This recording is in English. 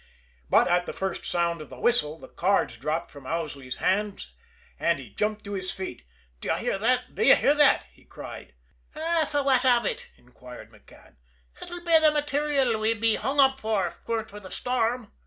But at the first sound of the whistle, the cards dropped from Owsley's hands, and he jumped to his feet. "D'ye hear that! D'ye hear that!" he cried. "An' fwhat av ut?" inquired McCann. "Ut'll be the material we'd be hung up for, if 'twere not for the storm."